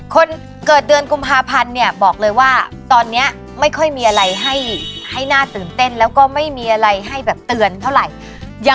คนเกิดเดือนกุมภาพันธุ์เนี่ยบอกเลยว่า